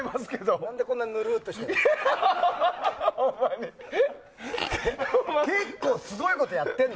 何でこんなぬるーっとしてるの？